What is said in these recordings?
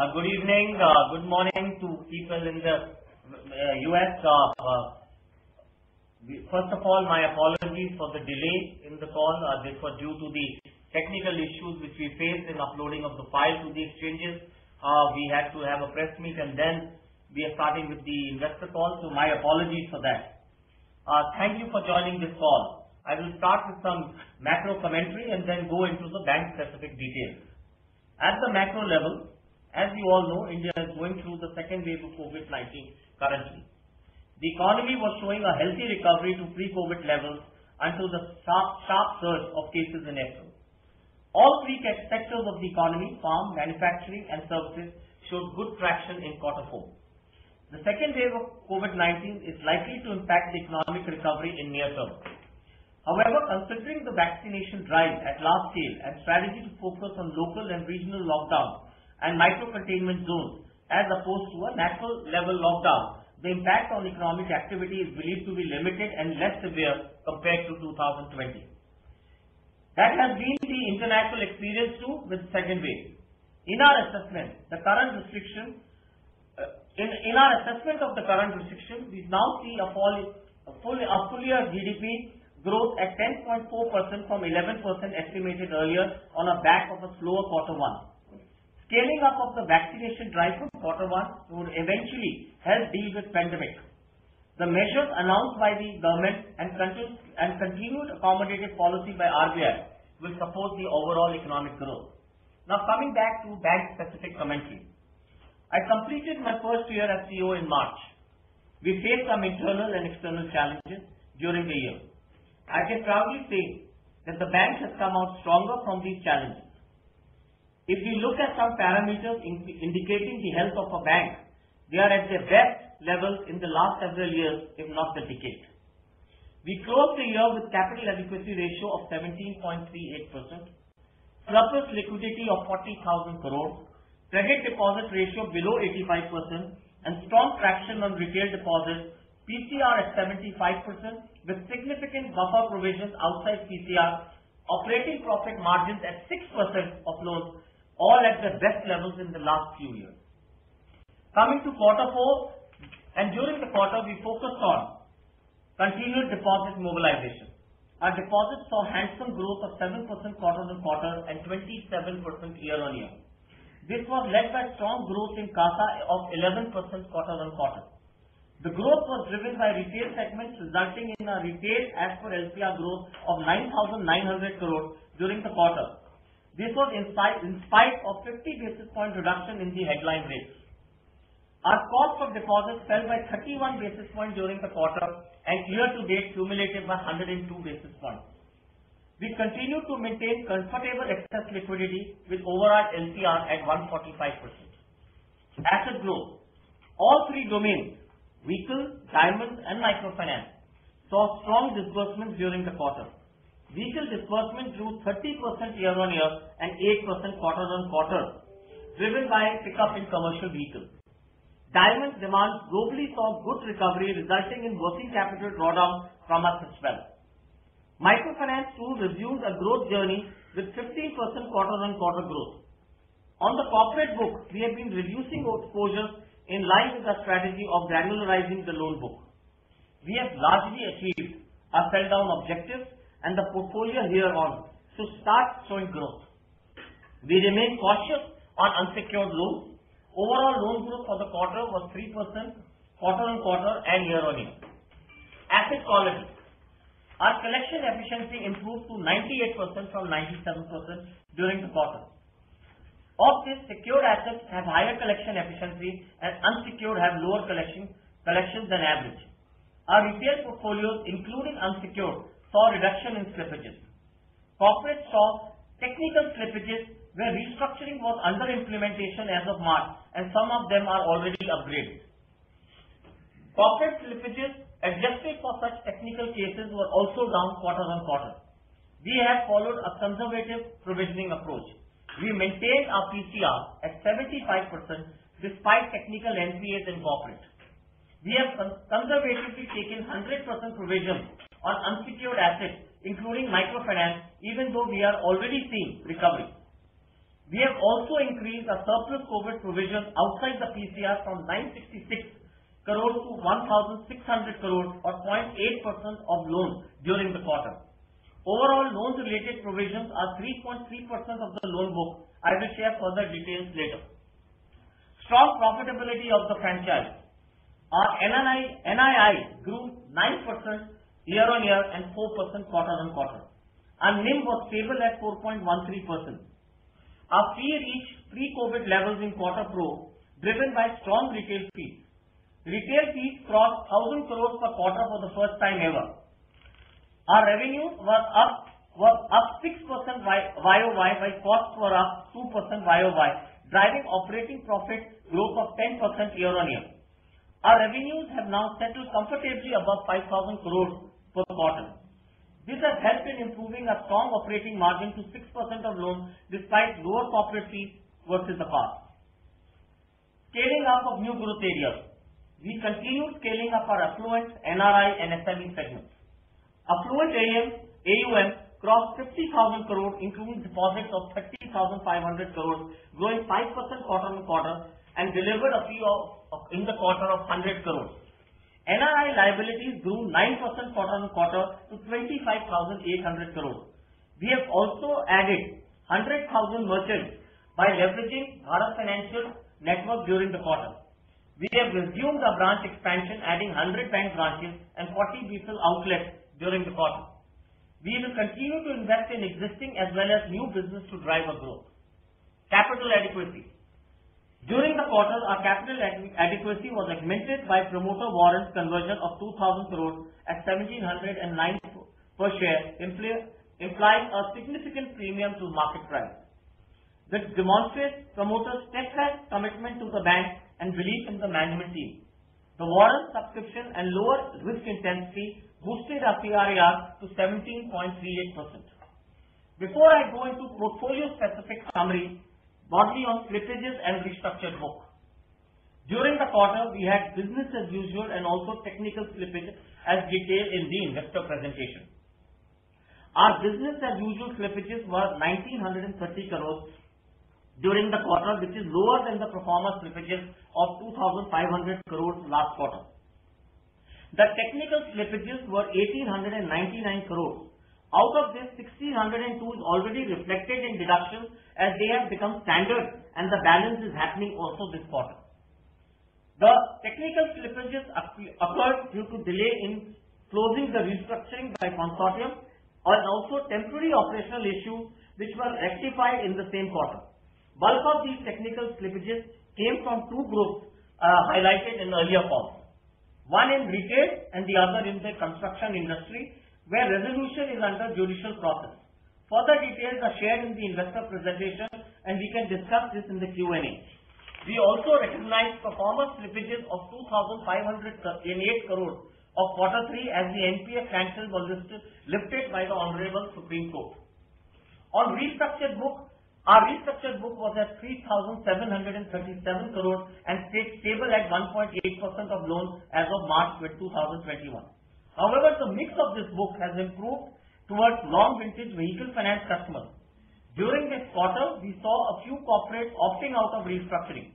Good evening. Good morning to people in the U.S. First of all, my apologies for the delay in the call. This was due to the technical issues which we faced in uploading of the file to the exchanges. We had to have a press meet and then we are starting with the investor call, so my apologies for that. Thank you for joining this call. I will start with some macro commentary and then go into the bank specific details. At the macro level, as you all know, India is going through the second wave of COVID-19 currently. The economy was showing a healthy recovery to pre-COVID levels until the sharp surge of cases in April. All three sectors of the economy, farm, manufacturing, and services, showed good traction in quarter four. The second wave of COVID-19 is likely to impact the economic recovery in near term. However, considering the vaccination drive at large scale and strategy to focus on local and regional lockdowns and micro containment zones as opposed to a national level lockdown, the impact on economic activity is believed to be limited and less severe compared to 2020. That has been the international experience, too, with the second wave. In our assessment of the current restrictions, we now see a full year GDP growth at 10.4% from 11% estimated earlier on a back of a slower quarter one. Scaling up of the vaccination drive from quarter one would eventually help deal with pandemic. The measures announced by the government and continued accommodative policy by RBI will support the overall economic growth. Coming back to bank specific commentary. I completed my first year as CEO in March. We faced some internal and external challenges during the year. I can proudly say that the bank has come out stronger from these challenges. If we look at some parameters indicating the health of a bank, we are at the best levels in the last several years, if not the decade. We closed the year with capital equity ratio of 17.38%, surplus liquidity of 40,000 crore, credit deposit ratio below 85%, and strong traction on retail deposits, PCR at 75% with significant buffer provisions outside PCR, operating profit margins at 6% of loans, all at the best levels in the last few years. Coming to quarter four, and during the quarter, we focused on continued deposit mobilization. Our deposits saw handsome growth of 7% quarter-on-quarter and 27% year-on-year. This was led by strong growth in CASA of 11% quarter-on-quarter. The growth was driven by retail segments, resulting in a retail as per LCR growth of 9,900 crore during the quarter. This was in spite of 50 basis points reduction in the headline rates. Our cost of deposits fell by 31 basis points during the quarter and year to date cumulative by 102 basis points. We continue to maintain comfortable excess liquidity with overall LCR at 145%. Asset growth. All three domains, vehicle, diamonds, and microfinance, saw strong disbursements during the quarter. Vehicle disbursement grew 30% year-over-year and 8% quarter-over-quarter, driven by a pickup in commercial vehicles. Diamond demand globally saw good recovery, resulting in working capital drawdown from assets. Microfinance too resumed a growth journey with 15% quarter-over-quarter growth. On the corporate book, we have been reducing our exposures in line with our strategy of granularizing the loan book. We have largely achieved our sell-down objectives and the portfolio hereon to start showing growth. We remain cautious on unsecured loans. Overall loan growth for the quarter was 3% quarter-on-quarter and year-on-year. Asset quality. Our collection efficiency improved to 98% from 97% during the quarter. Of this, secured assets have higher collection efficiency and unsecured have lower collections than average. Our retail portfolios, including unsecured, saw a reduction in slippages. Corporate saw technical slippages where restructuring was under implementation as of March, and some of them are already upgraded. Corporate slippages, adjusted for such technical cases, were also down quarter-on-quarter. We have followed a conservative provisioning approach. We maintained our PCR at 75% despite technical NPAs in corporate. We have conservatively taken 100% provision on unsecured assets, including microfinance, even though we are already seeing recovery. We have also increased our surplus COVID provision outside the PCR from 966 crore to 1,600 crore or 0.8% of loans during the quarter. Overall loans related provisions are 3.3% of the loan book. I will share further details later. Strong profitability of the franchise. Our NII grew 9% year-on-year and 4% quarter-on-quarter. Our NIM was stable at 4.13%. Our fee reached pre-COVID levels in quarter four, driven by strong retail fees. Retail fees crossed 1,000 crore per quarter for the first time ever. Our revenues were up 6% YOY while costs were up 2% YOY, driving operating profit growth of 10% year-on-year. Our revenues have now settled comfortably above 5,000 crore for the quarter. This has helped in improving our strong operating margin to 6% of loans despite lower corporate fees versus the past. Scaling up of new growth areas. We continued scaling up our affluent NRI and SME segments. Affluent AUM crossed 50,000 crores, including deposits of 30,500 crores, growing 5% quarter-on-quarter, and delivered a fee in the quarter of 100 crores. NRI liabilities grew 9% quarter-on-quarter to 25,800 crores. We have also added 100,000 merchants by leveraging Bharat Financial network during the quarter. We have resumed our branch expansion, adding 100 bank branches and 40 digital outlets during the quarter. We will continue to invest in existing as well as new business to drive our growth. Capital adequacy. During the quarter, our capital adequacy was augmented by promoter warrants conversion of 2,000 crores at 1,790 per share, implying a significant premium to market price, which demonstrates promoters' steadfast commitment to the bank and belief in the management team. The warrant subscription and lower risk intensity boosted our CRAR to 17.38%. Before I go into portfolio-specific summary, broadly on slippages and restructured book. During the quarter, we had business as usual and also technical slippage as detailed in the investor presentation. Our business-as-usual slippages were 1,930 crores during the quarter, which is lower than the performa slippage of 2,500 crores last quarter. The technical slippages were 1,899 crores. Out of this, 1,602 crores is already reflected in deductions as they have become standard, and the balance is happening also this quarter. The technical slippages occurred due to delay in closing the restructuring by consortium and also temporary operational issue, which was rectified in the same quarter. Bulk of these technical slippages came from two groups highlighted in the earlier quarter, one in retail and the other in the construction industry, where resolution is under judicial process. Further details are shared in the investor presentation, and we can discuss this in the Q&A. We also recognized proforma slippages of 2,538 crore of quarter three as the NPA sanctions were lifted by the Supreme Court of India. On restructured book, our restructured book was at 3,737 crore and stayed stable at 1.8% of loans as of March 2021. The mix of this book has improved towards long-vintage vehicle finance customers. During this quarter, we saw a few corporates opting out of restructuring.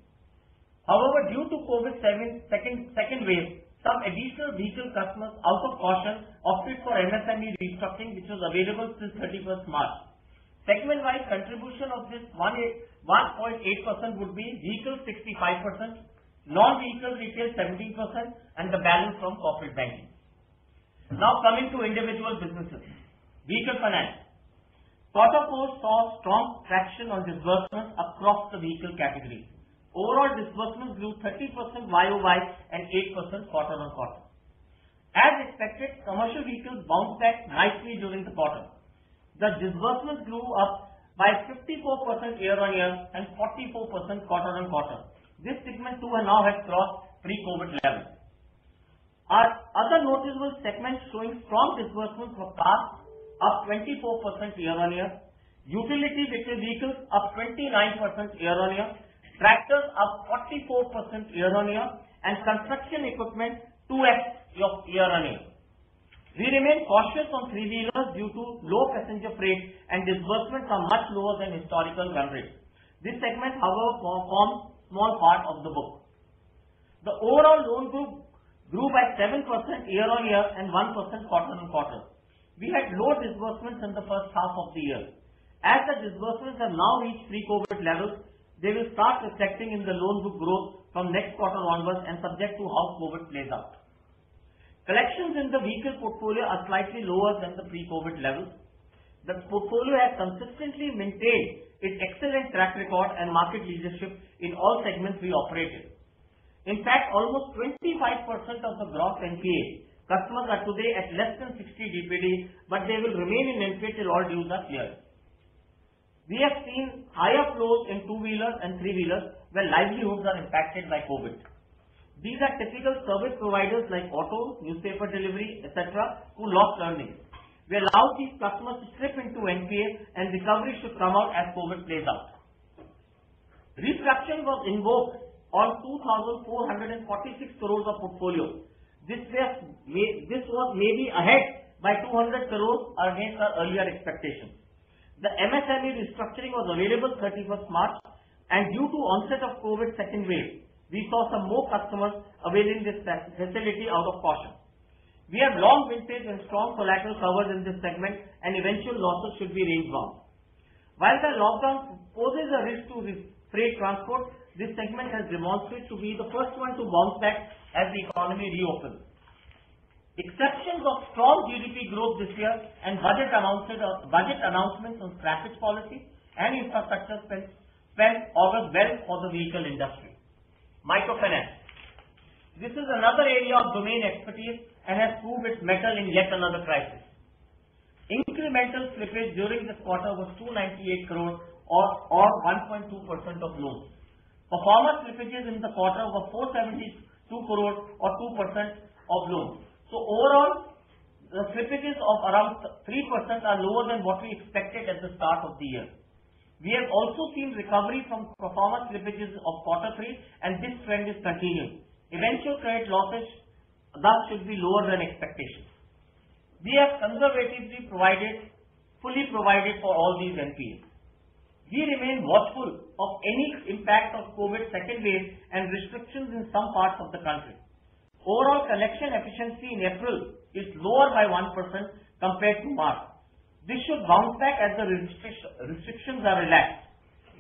Due to COVID second wave, some additional vehicle customers, out of caution, opted for MSME restructuring, which was available till 31st March. Segment-wide contribution of this 1.8% would be vehicle 65%, non-vehicle retail 17%, and the balance from corporate banking. Coming to individual businesses. Vehicle finance. Quarter four saw strong traction on disbursements across the vehicle categories. Overall disbursements grew 30% YOY and 8% quarter-on-quarter. As expected, commercial vehicles bounced back nicely during the quarter. The disbursements grew up by 54% year-on-year and 44% quarter-on-quarter. This segment too has now crossed pre-COVID levels. Our other noticeable segment showing strong disbursements were cars, up 24% year-on-year, utility vehicles, up 29% year-on-year, tractors up 44% year-on-year, and construction equipment 2x year-on-year. We remain cautious on three-wheelers due to low passenger freight and disbursements are much lower than historical averages. This segment, however, forms small part of the book. The overall loan book grew by 7% year-on-year and 1% quarter-on-quarter. We had low disbursements in the first half of the year. As the disbursements have now reached pre-COVID levels, they will start reflecting in the loan book growth from next quarter onwards and subject to how COVID plays out. Collections in the vehicle portfolio are slightly lower than the pre-COVID level. The portfolio has consistently maintained its excellent track record and market leadership in all segments we operate in. In fact, almost 25% of the gross NPA customers are today at less than 60 DPD. They will remain in NPA till all dues are clear. We have seen higher flows in two-wheelers and three-wheelers, where livelihoods are impacted by COVID. These are typical service providers like autos, newspaper delivery, et cetera, who lost earnings. We allow these customers to slip into NPA and recovery should come out as COVID plays out. Restructuring was invoked on 2,446 crore of portfolio. This was maybe ahead by 200 crore against our earlier expectations. The MSME restructuring was available 31st March. Due to onset of COVID second wave, we saw some more customers availing this facility out of caution. We have long vintage and strong collateral covers in this segment and eventual losses should be range-bound. While the lockdown poses a risk to freight transport, this segment has demonstrated to be the first one to bounce back as the economy reopens. Expectations of strong GDP growth this year and budget announcements on traffic policy and infrastructure spend augurs well for the vehicle industry. Microfinance. This is another area of domain expertise and has proved its mettle in yet another crisis. Incremental slippage during this quarter was 298 crores or 1.2% of loans. Proforma slippages in the quarter were 472 crores or 2% of loans. Overall the slippages of around 3% are lower than what we expected at the start of the year. We have also seen recovery from proforma slippages of quarter three, and this trend is continuing. Eventual credit losses, thus should be lower than expectations. We have conservatively fully provided for all these NPAs. We remain watchful of any impact of COVID second wave and restrictions in some parts of the country. Overall collection efficiency in April is lower by 1% compared to March. This should bounce back as the restrictions are relaxed.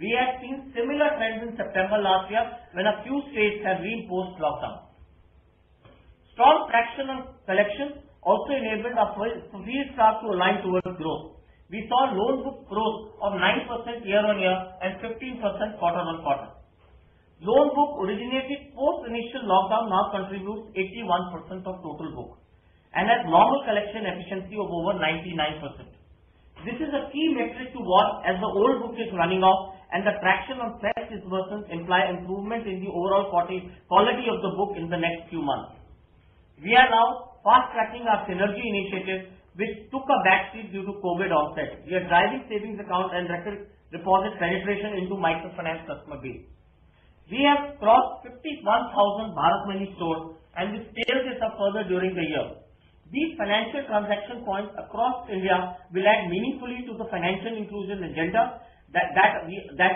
We had seen similar trends in September last year when a few states had re-imposed lockdown. Strong traction on collections also enabled our credit card to align towards growth. We saw loan book growth of 9% year-on-year and 15% quarter-on-quarter. Loan book originated post initial lockdown now contributes 81% of total book and has normal collection efficiency of over 99%. This is a key metric to watch as the old book is running off and the traction on fresh disbursements imply improvement in the overall quality of the book in the next few months. We are now fast-tracking our synergy initiatives, which took a back seat due to COVID onset. We are driving savings account and retail deposit penetration into microfinance customer base. We have crossed 51,000 Bharat Money Stores, and we scale this up further during the year. These financial transaction points across India will add meaningfully to the financial inclusion agenda that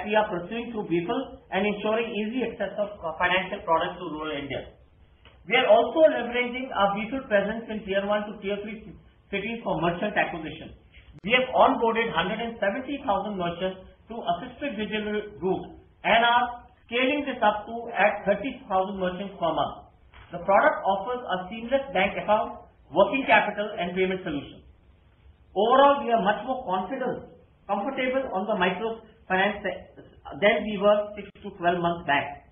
we are pursuing through BFIL and ensuring easy access of financial products to rural India. We are also leveraging our BFIL presence in Tier 1 to Tier 3 cities for merchant acquisition. We have onboarded 170,000 merchants to assisted digital group and are scaling this up to add 30,000 merchants per month. The product offers a seamless bank account, working capital, and payment solution. Overall, we are much more comfortable on the microfinance than we were six to 12 months back.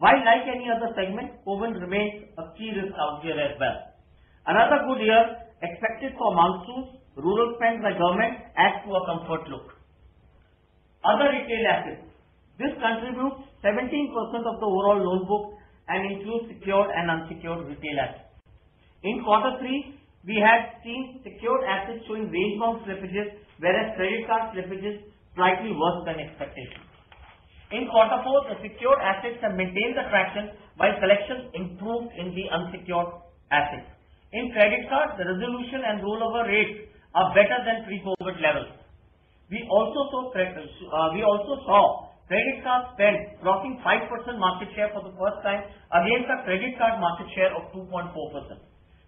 Like any other segment, COVID remains a key risk out here as well. Another good year expected for monsoons, rural spend by government adds to a comfort look. Other retail assets. This contributes 17% of the overall loan book and includes secured and unsecured retail assets. In quarter three, we had seen secured assets showing range-bound slippages, whereas credit card slippages slightly worse than expectations. In quarter four, the secured assets have maintained the traction while collections improved in the unsecured assets. In credit cards, the resolution and rollover rates are better than pre-COVID levels. We also saw credit card spend crossing 5% market share for the first time against a credit card market share of 2.4%.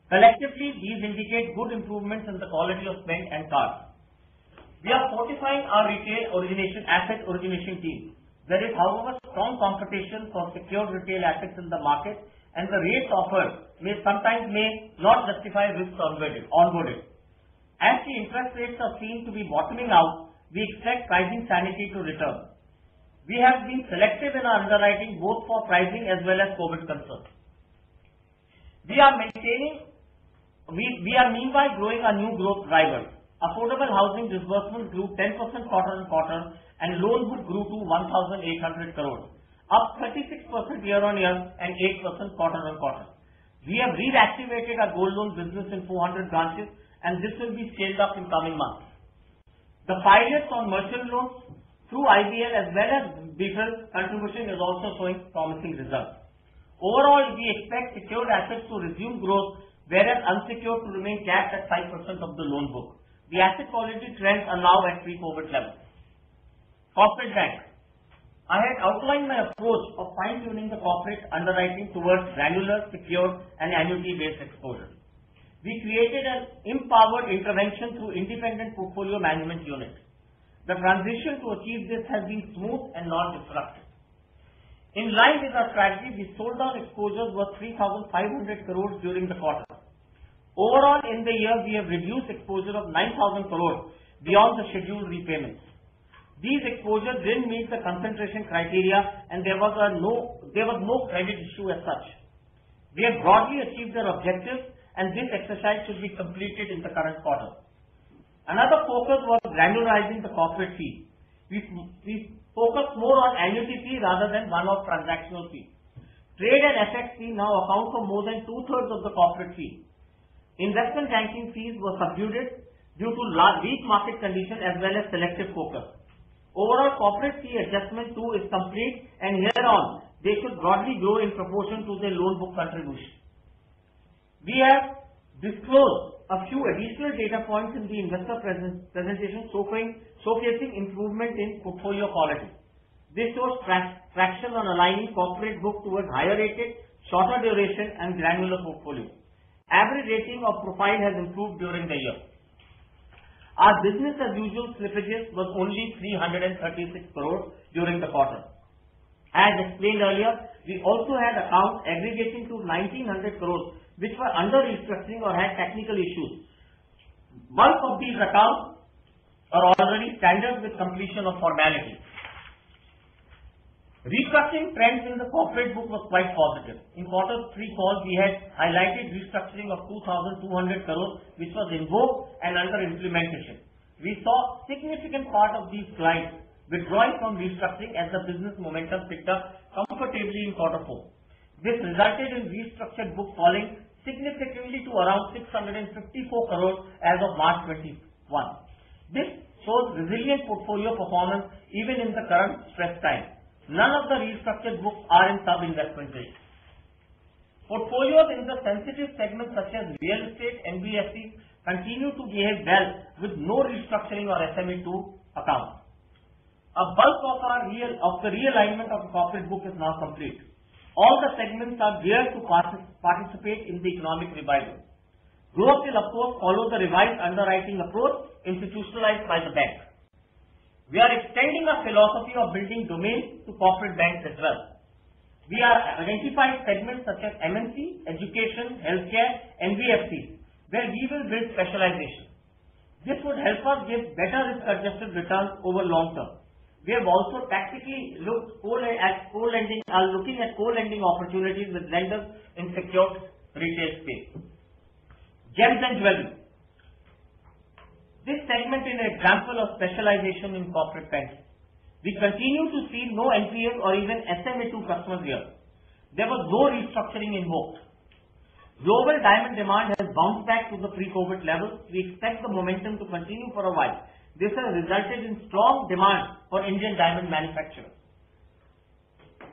Collectively, these indicate good improvements in the quality of spend and card. We are fortifying our retail asset origination team. There is, however, strong competition for secured retail assets in the market, and the rates offered may sometimes not justify risk onboarded. As the interest rates are seen to be bottoming out, we expect pricing sanity to return. We have been selective in our underwriting, both for pricing as well as COVID concerns. We are meanwhile growing our new growth driver. Affordable housing disbursement grew 10% quarter-on-quarter, and loan book grew to 1,800 crore, up 36% year-on-year and 8% quarter-on-quarter. We have reactivated our gold loan business in 400 branches, and this will be scaled up in coming months. The pilots on merchant loans through IBL as well as BFSL contribution is also showing promising results. Overall, we expect secured assets to resume growth, whereas unsecured to remain capped at 5% of the loan book. The asset quality trends are now at pre-COVID levels. Corporate bank. I had outlined my approach of fine-tuning the corporate underwriting towards granular, secured, and annuity-based exposure. We created an empowered intervention through independent portfolio management unit. The transition to achieve this has been smooth and non-disruptive. In line with our strategy, we sold out exposures worth 3,500 crores during the quarter. Overall, in the year, we have reduced exposure of 9,000 crores beyond the scheduled repayments. These exposures didn't meet the concentration criteria, and there was no credit issue as such. We have broadly achieved our objective, and this exercise should be completed in the current quarter. Another focus was granularizing the corporate fee. We focused more on annuity fee rather than one-off transactional fee. Trade and FX fee now account for more than two-thirds of the corporate fee. Investment banking fees were subdued due to weak market condition as well as selective focus. Overall corporate fee adjustment too is complete. Herein on they should broadly grow in proportion to their loan book contribution. We have disclosed a few additional data points in the investor presentation showcasing improvement in portfolio quality. This shows traction on aligning corporate book towards higher-rated, shorter duration, and granular portfolio. Average rating of profile has improved during the year. Our business-as-usual slippages was only 336 crores during the quarter. As explained earlier, we also had accounts aggregating to 1,900 crores, which were under restructuring or had technical issues. Bulk of these accounts are already standard with completion of formalities. Restructuring trends in the corporate book was quite positive. In quarter three call, we had highlighted restructuring of 2,200 crores, which was invoked and under implementation. We saw significant part of these clients withdrawing from restructuring as the business momentum picked up comfortably in quarter four. This resulted in restructured books falling significantly to around 654 crore as of March 21. This shows resilient portfolio performance even in the current stressed time. None of the restructured books are in sub-investment grade. Portfolios in the sensitive segments such as real estate, NBFCs, continue to behave well, with no restructuring or SMA-2 accounts. A bulk of the realignment of the corporate book is now complete. All the segments are geared to participate in the economic revival. Growth will, of course, follow the revised underwriting approach institutionalized by the bank. We are extending our philosophy of building domains to corporate banks as well. We have identified segments such as MNC, education, healthcare, NBFCs, where we will build specialization. This would help us give better risk-adjusted returns over long term. We have also tactically are looking at co-lending opportunities with lenders in secured retail space. Gems and jewelry. This segment is an example of specialization in corporate banks. We continue to see no NPAs or even SMA-2 customers here. There was no restructuring invoked. Global diamond demand has bounced back to the pre-COVID levels. We expect the momentum to continue for a while. This has resulted in strong demand for Indian diamond manufacturers.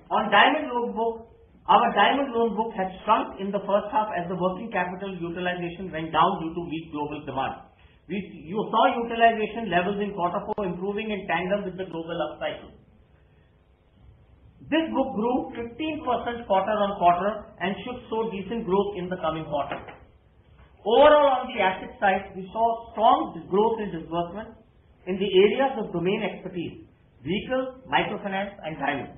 On diamond loan book, our diamond loan book had shrunk in the first half as the working capital utilization went down due to weak global demand. We saw utilization levels in quarter four improving in tandem with the global upcycle. This book grew 15% quarter-on-quarter and should show decent growth in the coming quarters. Overall, on the asset side, we saw strong growth in disbursements in the areas of domain expertise, vehicles, microfinance, and diamonds.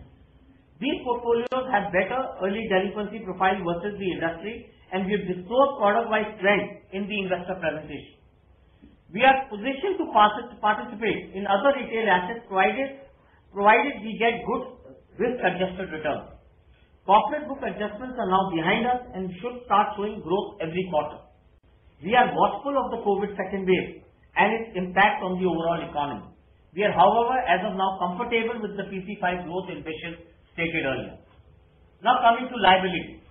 These portfolios have better early delinquency profile versus the industry, and we have disclosed product-wise trends in the investor presentation. We are positioned to participate in other retail assets, provided we get good risk-adjusted returns. Corporate book adjustments are now behind us and should start showing growth every quarter. We are watchful of the COVID second wave and its impact on the overall economy. We are, however, as of now, comfortable with the PC5 growth ambitions stated earlier. Coming to liabilities.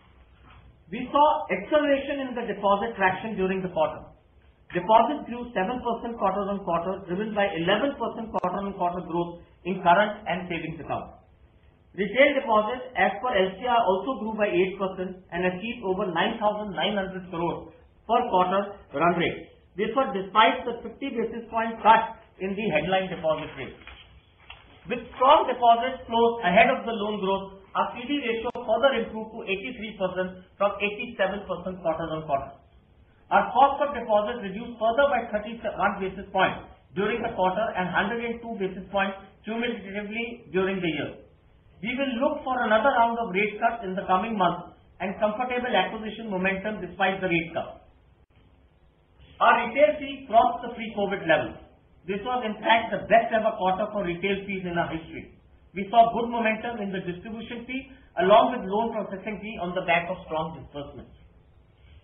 We saw acceleration in the deposit traction during the quarter. Deposits grew 7% quarter on quarter, driven by 11% quarter on quarter growth in current and savings accounts. Retail deposits as per LCR also grew by 8% and achieved over 9,900 crore per quarter run rate. This was despite the 50 basis point cut in the headline deposit rate. With strong deposit flows ahead of the loan growth, our CD ratio further improved to 83% from 87% quarter-on-quarter. Our cost per deposit reduced further by 31 basis points during the quarter and 102 basis points cumulatively during the year. We will look for another round of rate cuts in the coming months and comfortable acquisition momentum despite the rate cut. Our retail fees crossed the pre-COVID level. This was, in fact, the best ever quarter for retail fees in our history. We saw good momentum in the distribution fee along with loan processing fee on the back of strong disbursements.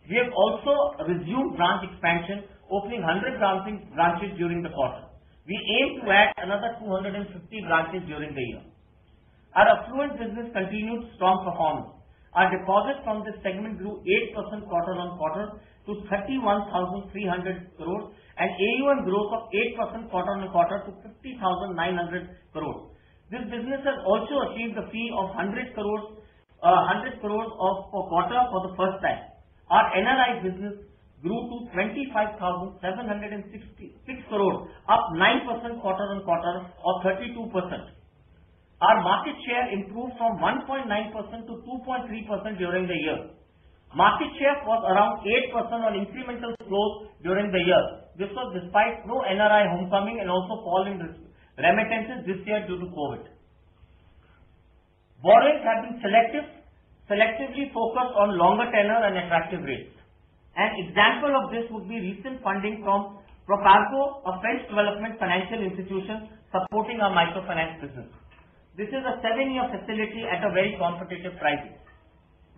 We have also resumed branch expansion, opening 100 branches during the quarter. We aim to add another 250 branches during the year. Our affluent business continued strong performance. Our deposits from this segment grew 8% quarter-on-quarter to 31,300 crore and AUM growth of 8% quarter-on-quarter to 50,900 crore. This business has also achieved a fee of 100 crore for quarter four for the first time. Our NRI business grew to 25,766 crore, up 9% quarter-on-quarter or 32%. Our market share improved from 1.9%-2.3% during the year. Market share was around 8% on incremental flows during the year. This was despite no NRI homecoming and also fall in remittances this year due to COVID. Borrowings have been selectively focused on longer tenure and attractive rates. An example of this would be recent funding from Proparco, a French development financial institution supporting our microfinance business. This is a seven-year facility at a very competitive pricing.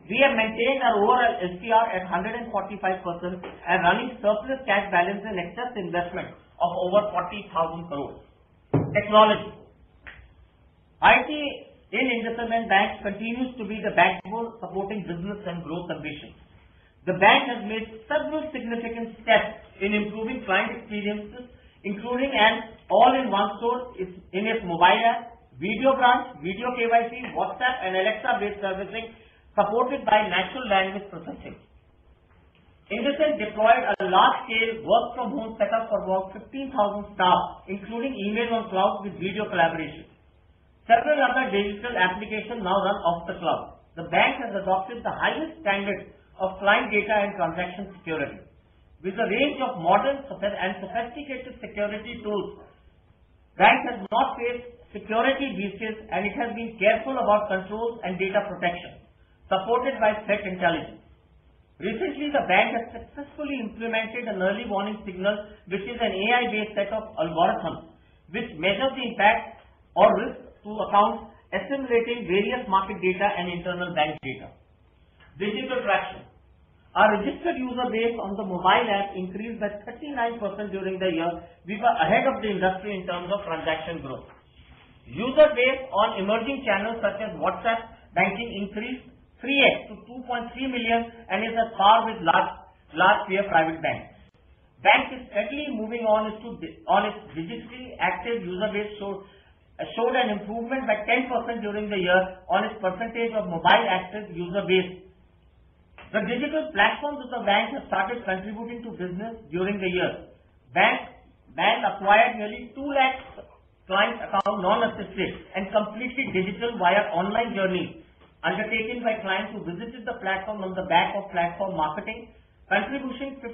We have maintained our overall LCR at 145% and are running surplus cash balance and excess investment of over 40,000 crore. Technology. IT in IndusInd Bank continues to be the backbone supporting business and growth ambitions. The bank has made several significant steps in improving client experiences, including an all-in-one store in its mobile app, video Branch, video KYC, WhatsApp and Alexa-based servicing supported by natural language processing. IndusInd deployed a large-scale work-from-home setup for about 15,000 staff, including email and cloud with video collaboration. Several other digital applications now run off the cloud. The bank has adopted the highest standards of client data and transaction security. With a range of modern and sophisticated security tools, the bank has not faced security breaches, and it has been careful about controls and data protection supported by threat intelligence. Recently, the bank has successfully implemented an early warning signal, which is an AI-based set of algorithms which measure the impact or risk to accounts, assimilating various market data and internal bank data. Digital traction. Our registered user base on the mobile app increased by 39% during the year. We were ahead of the industry in terms of transaction growth. User base on emerging channels such as WhatsApp Banking increased 3x to 2.3 million and is at par with large tier private banks. Bank is steadily moving on its digitally active user base, showed an improvement by 10% during the year on its percentage of mobile active user base. The digital platforms of the bank have started contributing to business during the year. Bank acquired nearly two lakh client accounts non-assisted and completely digital via online journey undertaken by clients who visited the platform on the back of platform marketing, contributing 15%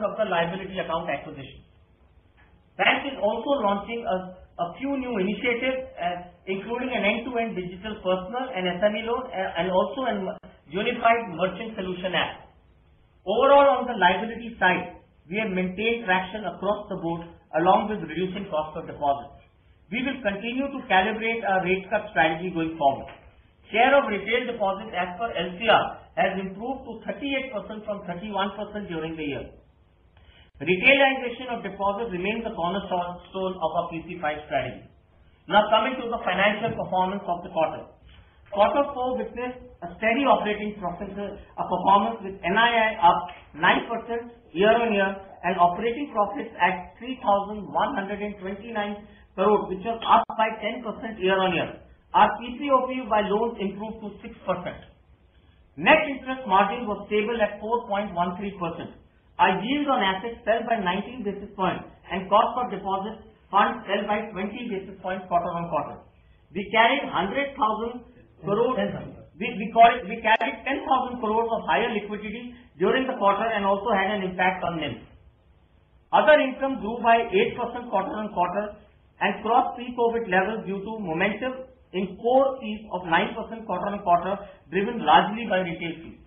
of the liability account acquisition. Bank is also launching a few new initiatives, including an end-to-end digital personal and SME loan and also a unified merchant solution app. Overall, on the liability side, we have maintained traction across the board along with reducing cost of deposits. We will continue to calibrate our rate cut strategy going forward. Share of retail deposits as per LCR has improved to 38% from 31% during the year. Retailization of deposits remains a cornerstone of our PC5 strategy. Coming to the financial performance of the quarter. Quarter four witnessed a steady operating performance, with NII up 9% year-on-year and operating profits at 3,129 crore, which was up by 10% year-on-year. Our PPOP by loans improved to 6%. Net interest margin was stable at 4.13%. Our yields on assets fell by 19 basis points and cost for deposit funds fell by 20 basis points quarter-on-quarter. We carried 10,000 crore of higher liquidity during the quarter and also had an impact on NIM. Other income grew by 8% quarter-on-quarter and crossed pre-COVID levels due to momentum in core fees of 9% quarter-on-quarter, driven largely by retail fees.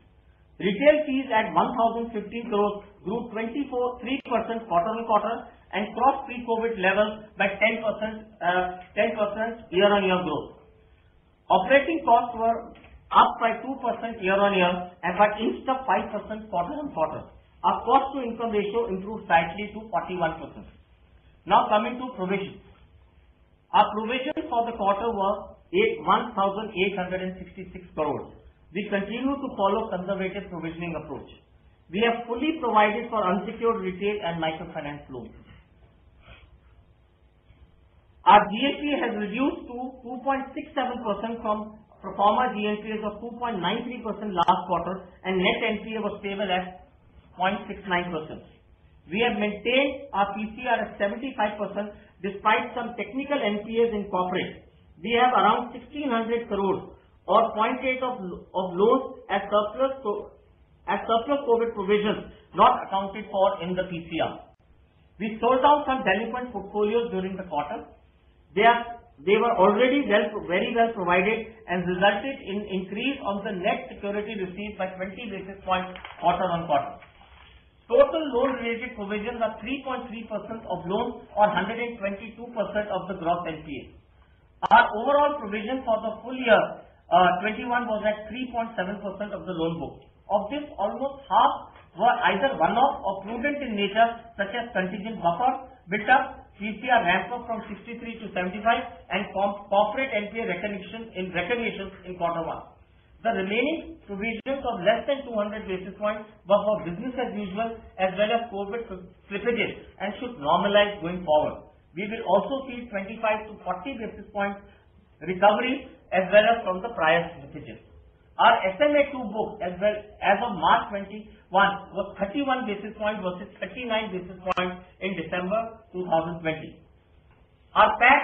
Retail fees at 1,015 crore grew 23% quarter-on-quarter and crossed pre-COVID levels by 10% year-on-year growth. Operating costs were up by 2% year-on-year and by inch of 5% quarter-on-quarter. Our cost-to-income ratio improved slightly to 41%. Coming to provisions. Our provisions for the quarter were 1,866 crore. We continue to follow conservative provisioning approach. We have fully provided for unsecured retail and microfinance loans. Our GNPA has reduced to 2.67% from proforma GNPA of 2.93% last quarter, and net NPA was stable at 0.69%. We have maintained our PCR at 75%, despite some technical NPAs in corporate. We have around 1,600 crore or 0.8 of loans as surplus COVID provisions not accounted for in the PCR. We sold down some delinquent portfolios during the quarter. They were already very well provided and resulted in increase on the net security received by 20 basis point quarter-on-quarter. Total loan-related provisions are 3.3% of loans or 122% of the gross NPA. Our overall provision for the full year 2021 was at 3.7% of the loan book. Of this, almost half were either one-off or prudent in nature, such as contingent buffers, built up PCR ratios from 63-75, and from corporate NPA recognitions in quarter one. The remaining provisions of less than 200 basis points were for business as usual, as well as COVID slippages, and should normalize going forward. We will also see 25 to 40 basis point recovery as well as from the prior slippages. Our SMA-2 book as of March 2021 was 31 basis points versus 39 basis points in December 2020. Our PAT,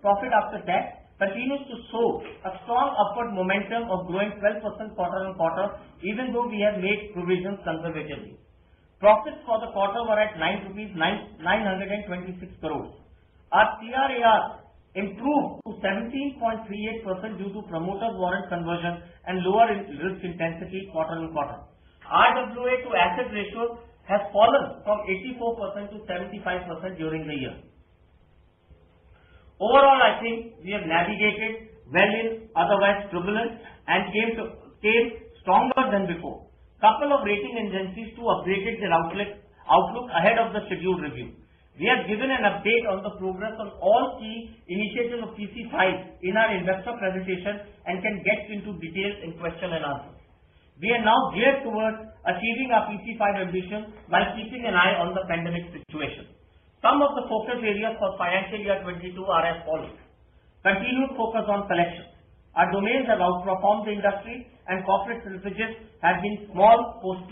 profit after tax, continues to show a strong upward momentum of growing 12% quarter-on-quarter, even though we have made provisions conservatively. Profits for the quarter were at 926 crores. Our CRAR improved to 17.38% due to promoter's warrant conversion and lower risk intensity quarter-on-quarter. Our RWA to asset ratio has fallen from 84%-75% during the year. Overall, I think we have navigated well in otherwise turbulent and came stronger than before. Couple of rating agencies too upgraded their outlook ahead of the scheduled review. We have given an update on the progress on all key initiatives of PC5 in our investor presentation and can get into details in question and answer. We are now geared towards achieving our PC5 ambitions while keeping an eye on the pandemic situation. Some of the focus areas for financial year 2022 are as follows. Continued focus on collections. Our domains have outperformed the industry, and corporate slippages have been small post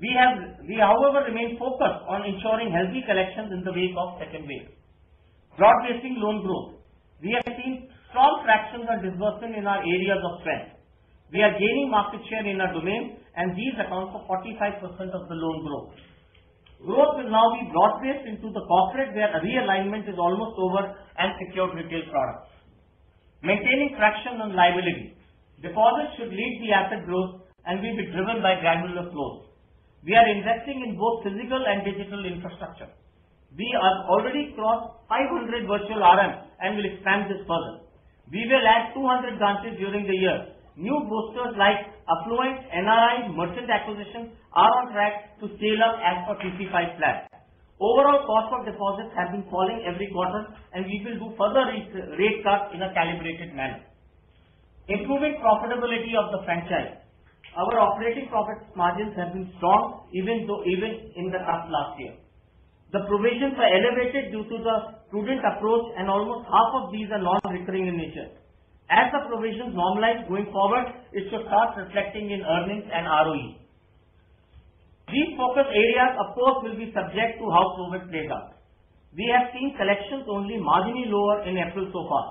clean-up. We, however, remain focused on ensuring healthy collections in the wake of second wave. Broad-basing loan growth. We have seen strong traction and disbursement in our areas of strength. We are gaining market share in our domain, and these account for 45% of the loan growth. Growth will now be broad-based into the corporate, where realignment is almost over and secured retail products. Maintaining traction on liability. Deposits should lead the asset growth and will be driven by granular flows. We are investing in both physical and digital infrastructure. We have already crossed 500 virtual RMs and will expand this further. We will add 200 branches during the year. New boosters like affluent NRIs merchant acquisitions are on track to scale up as per PC5 plan. Overall cost of deposits has been falling every quarter. We will do further rate cuts in a calibrated manner, improving profitability of the franchise. Our operating profit margins have been strong even in the tough last year. The provisions were elevated due to the prudent approach. Almost half of these are non-recurring in nature. As the provisions normalize going forward, it should start reflecting in earnings and ROE. These focus areas, of course, will be subject to how COVID plays out. We have seen collections only marginally lower in April so far.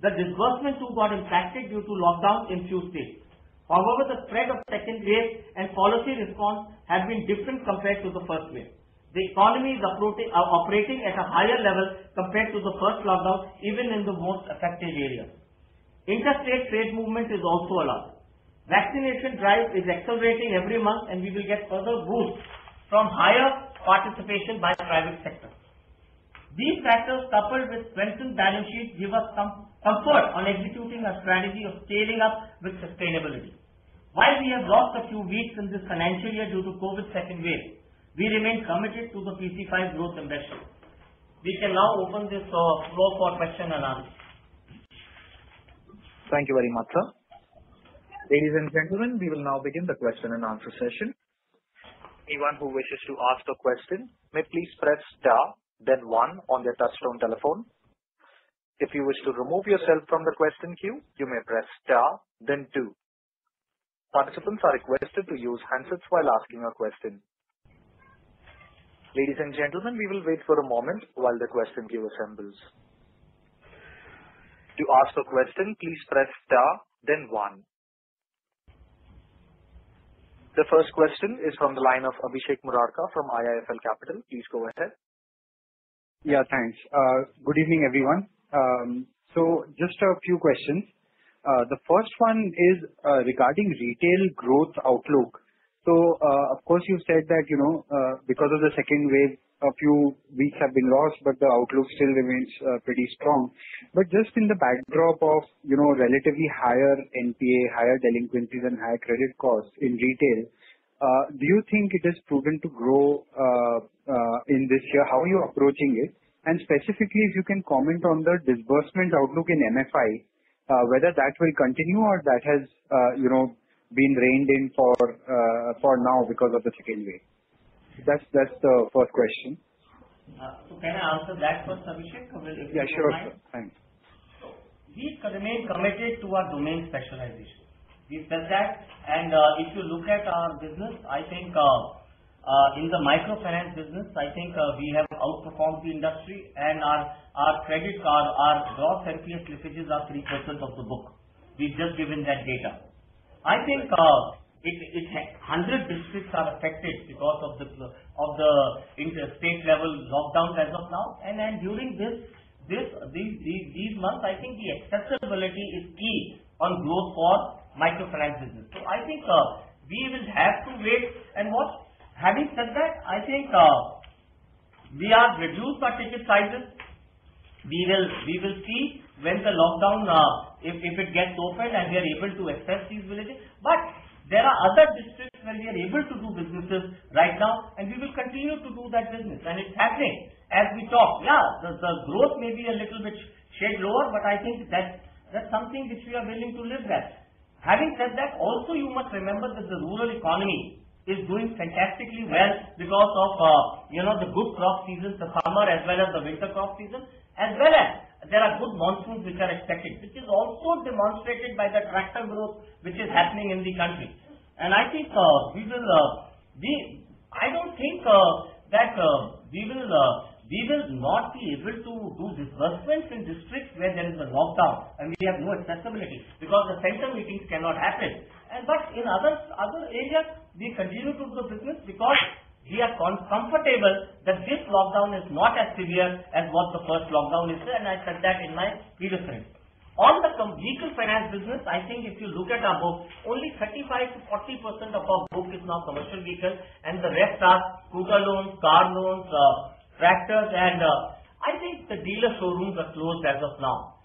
The disbursement too got impacted due to lockdowns in few states. The spread of second wave and policy response have been different compared to the first wave. The economy is operating at a higher level compared to the first lockdown, even in the most affected areas. Interstate trade movement is also allowed. Vaccination drive is accelerating every month, and we will get further boost from higher participation by the private sector. These factors coupled with strengthened balance sheet, give us some comfort on executing our strategy of scaling up with sustainability. While we have lost a few weeks in this financial year due to COVID second wave, we remain committed to the PC5 growth ambition. We can now open the floor for question and answer. Thank you very much, sir. Ladies and gentlemen, we will now begin the question and answer session. Anyone who wishes to ask a question may please press star, then one on their touchtone telephone. If you wish to remove yourself from the question queue, you may press star then two. Participants are requested to use handsets while asking a question. Ladies and gentlemen, we will wait for a moment while the question queue assembles. To ask a question, please press star, then one. The first question is from the line of Abhishek Murarka from IIFL Capital. Please go ahead. Yeah, thanks. Good evening, everyone. Just a few questions. The first one is regarding retail growth outlook. Of course, you said that because of the second wave, a few weeks have been lost, but the outlook still remains pretty strong. Just in the backdrop of relatively higher NPA, higher delinquencies and higher credit costs in retail, do you think it is proven to grow in this year? How are you approaching it? Specifically, if you can comment on the disbursement outlook in MFI, whether that will continue or that has been reined in for now because of the second wave. That's the first question. Can I answer that first, Abhishek? Yeah, sure. Thanks. We remain committed to our domain specialization. We've said that, and if you look at our business, I think, in the microfinance business, I think we have outperformed the industry and our credit card, our gross NPA slippages are 3% of the book. We've just given that data. I think 100 districts are affected because of the interstate level lockdowns as of now. During these months, I think the accessibility is key on growth for microfinance business. I think we will have to wait and watch. Having said that, I think we have reduced our ticket sizes. We will see when the lockdown, if it gets opened and we are able to access these villages. There are other districts where we are able to do businesses right now, and we will continue to do that business. It's happening as we talk. Yeah, the growth may be a little bit shade lower, but I think that's something which we are willing to live with. Having said that, also you must remember that the rural economy is doing fantastically well because of the good crop seasons, the farmer as well as the winter crop season, as well as there are good monsoons which are expected, which is also demonstrated by the tractor growth which is happening in the country. I don't think that we will not be able to do disbursements in districts where there is a lockdown and we have no accessibility because the center meetings cannot happen. In other areas, we continue to do the business because we are comfortable that this lockdown is not as severe as was the first lockdown is. I said that in my previous remarks. On the vehicle finance business, I think if you look at our book, only 35%-40% of our book is now commercial vehicles, and the rest are scooter loans, car loans, tractors. I think the dealer showrooms are closed as of now.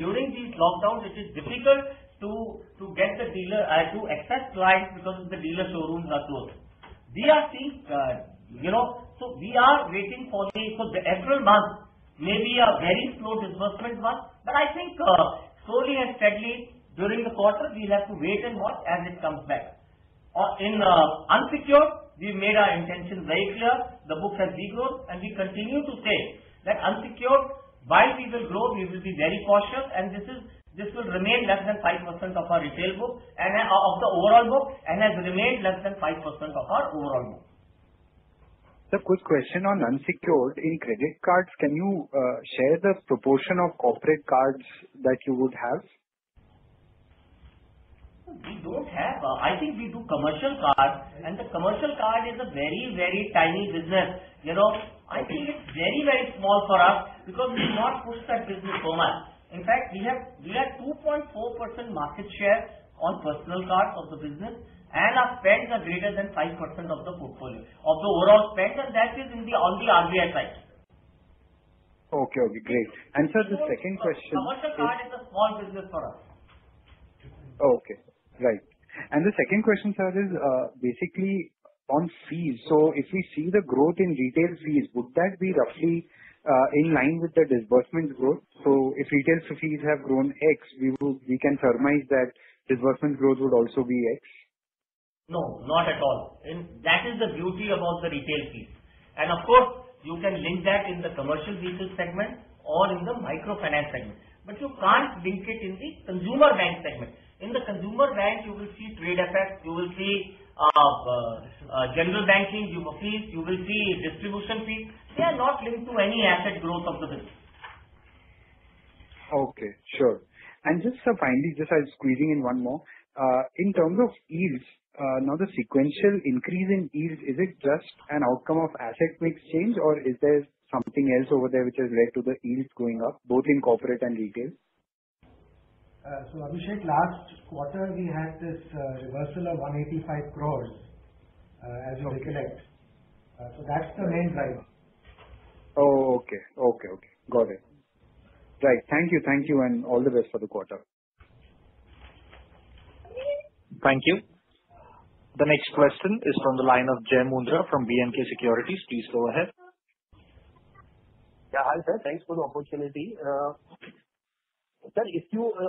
During this lockdown, it is difficult to access clients because the dealer showrooms are closed. We are waiting for this. The April month may be a very slow disbursement month, but I think slowly and steadily during the quarter, we'll have to wait and watch as it comes back. In unsecured, we've made our intention very clear. The book has de-growth, and we continue to say that unsecured, while we will grow, we will be very cautious and this will remain less than 5% of our retail book and of the overall book, and has remained less than 5% of our overall book. Sir, quick question on unsecured. In credit cards, can you share the proportion of corporate cards that you would have? We don't have. I think we do commercial card. The commercial card is a very tiny business. I think it's very small for us because we've not pushed that business so much. In fact, we have 2.4% market share on personal cards of the business. Our spends are greater than 5% of the portfolio of the overall spend. That is on the RBI side. Okay, great. Sir, the second question. Commercial card is a small business for us. Okay. Right. The second question, sir, is basically on fees. If we see the growth in retail fees, would that be roughly in line with the disbursement growth? If retail fees have grown X, we can surmise that disbursement growth would also be X? No, not at all. That is the beauty about the retail fees. Of course, you can link that in the commercial vehicle segment or in the microfinance segment. You can't link it in the Consumer Bank segment. In the Consumer Bank, you will see trade and FX, you will see general banking fees, you will see distribution fees. They are not linked to any asset growth of the business. Okay, sure. Just, sir, finally, just I was squeezing in one more. In terms of yields, now the sequential increase in yields, is it just an outcome of asset mix change or is there something else over there which has led to the yields going up, both in corporate and retail? Abhishek, last quarter, we had this reversal of 185 crores as you recollect. That's the main driver. Okay. Got it. Right. Thank you, and all the best for the quarter. Thank you. The next question is from the line of Jay Mundra from B&K Securities. Please go ahead. Yeah, hi sir. Thanks for the opportunity. Sir,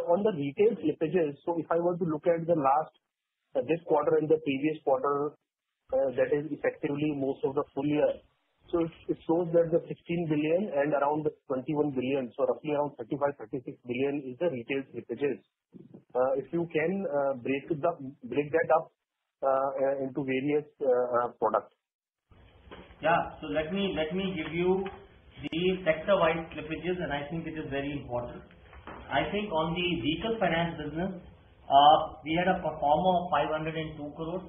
on the retail slippages, if I were to look at this quarter and the previous quarter, that is effectively most of the full year. It shows that the 16 billion and around the 21 billion, roughly around 35 billion-36 billion is the retail slippages. If you can break that up into various products. Let me give you the sector-wise slippages, and I think it is very important. I think on the vehicle finance business, we had a proforma of 502 crore,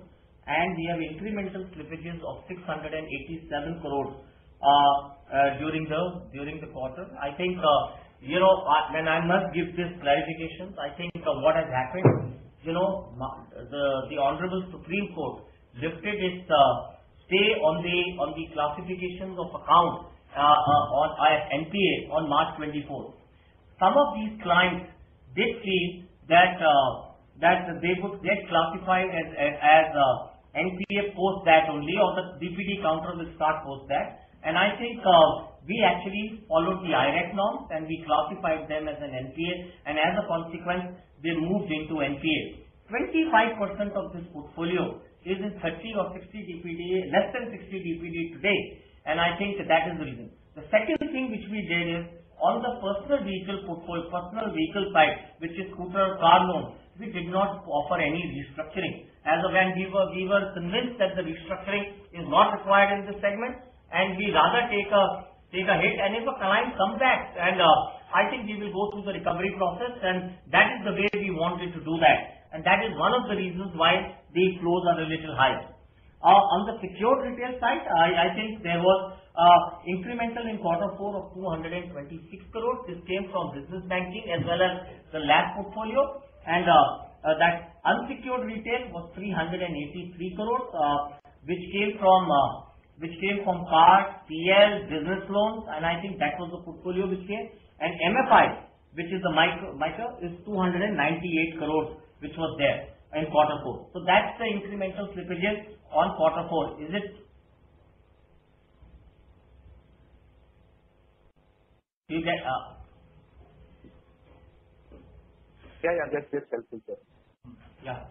and we have incremental slippages of 687 crore during the quarter. I must give this clarification. I think what has happened, the honorable Supreme Court lifted its stay on the classifications of accounts on NPA on March 24th. Some of these clients did see that they get classified as NPA post that only, or the DPD counter will start post that. I think we actually followed the IRAC norms, and we classified them as an NPA, and as a consequence, they moved into NPA. 25% of this portfolio is in 30 or 60 DPD, less than 60 DPD today, and I think that is the reason. The second thing which we did is on the personal vehicle side, which is scooter or car loan, we did not offer any restructuring. As of when we were convinced that the restructuring is not required in this segment, we rather take a hit if a client comes back. I think we will go through the recovery process, that is the way we wanted to do that. That is one of the reasons why the flows are a little high. On the secured retail side, I think there was incremental in quarter four of 226 crores. This came from business banking as well as the LAP portfolio. That unsecured retail was 383 crores, which came from cards, CL, business loans. I think that was the portfolio which came. MFIs, which is the micro, is 298 crores, which was there in quarter four. That's the incremental slippages on quarter four. Is that up? Yeah. That's helpful, sir. Yeah.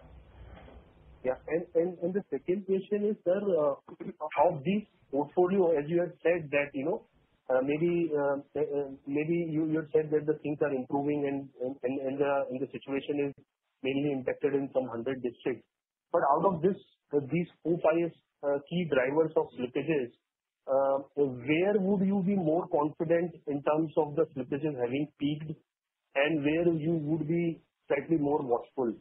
Yeah. The second question is, sir, of this portfolio, as you have said that maybe you have said that the things are improving and the situation is mainly impacted in some 100 districts. Out of these four, five key drivers of slippages, where would you be more confident in terms of the slippages having peaked and where you would be slightly more watchful?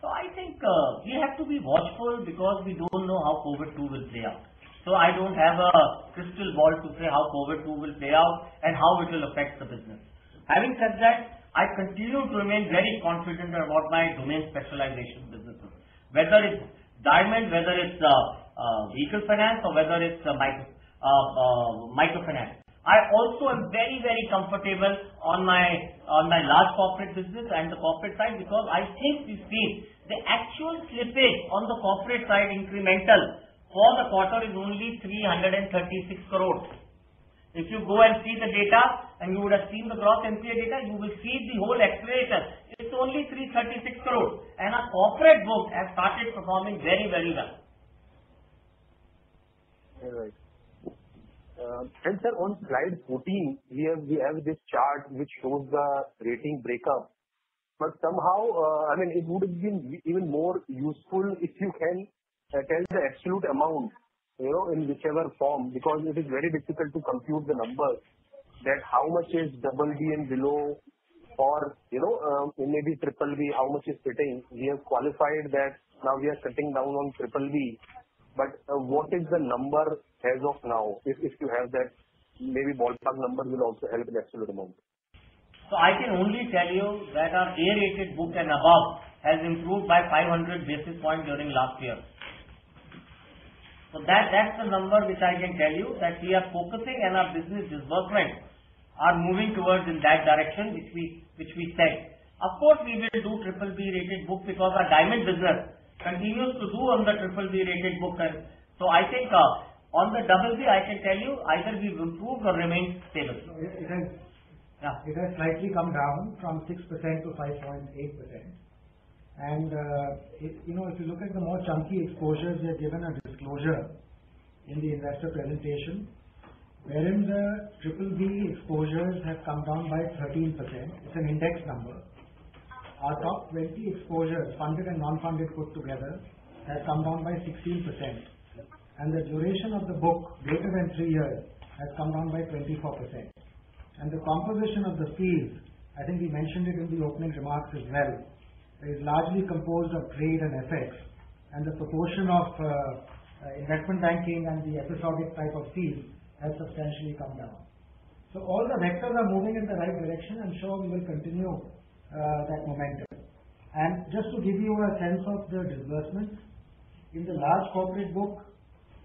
I think we have to be watchful because we don't know how COVID-2 will play out. I don't have a crystal ball to say how COVID-2 will play out and how it will affect the business. Having said that, I continue to remain very confident about my domain specialization businesses. Whether it's diamond, whether it's vehicle finance, or whether it's microfinance. I also am very comfortable on my large corporate business and the corporate side because I think you see the actual slippage on the corporate side incremental for the quarter is only 336 crores. If you go and see the data, and you would have seen the gross NPA data, you will see the whole accelerator. It's only 336 crores. Our corporate book has started performing very well. Right. Sir, on slide 14, we have this chart which shows the rating breakup. Somehow, it would have been even more useful if you can tell the absolute amount in whichever form, because it is very difficult to compute the numbers that how much is double B and below or maybe triple B, how much is sitting. We have qualified that now we are sitting down on triple B, what is the number as of now? If you have that maybe ballpark number will also help the absolute amount. I can only tell you that our A-rated book and above has improved by 500 basis points during last year. That's the number which I can tell you that we are focusing and our business disbursements are moving towards in that direction, which we said. Of course, we will do BBB-rated book because our diamond business continues to do on the BBB-rated book. I think on the BB, I can tell you either we will improve or remain stable. It has slightly come down from 6% to 5.8%. If you look at the more chunky exposures they have given a disclosure in the investor presentation, wherein the triple B exposures have come down by 13%. Our top 20 exposures, funded and non-funded put together, has come down by 16%. The duration of the book greater than three years has come down by 24%. The composition of the fees, I think we mentioned it in the opening remarks as well, is largely composed of trade and FX, and the proportion of investment banking and the episodic type of fees has substantially come down. All the vectors are moving in the right direction, I'm sure we will continue that momentum. Just to give you a sense of the disbursements. In the large corporate book,